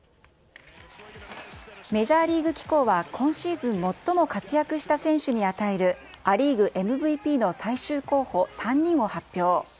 メジャーリーグ機構は今シーズン最も活躍した選手に与えるア・リーグＭＶＰの最終候補３人を発表。